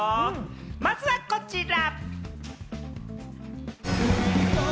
まずはこちら！